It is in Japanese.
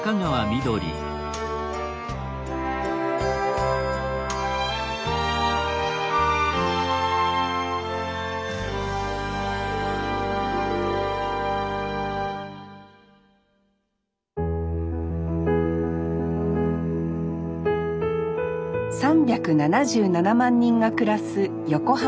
３７７万人が暮らす横浜市。